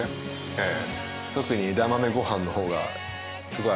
ええ。